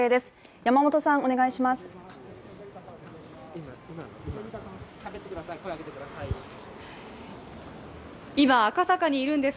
山本さん、お願いします。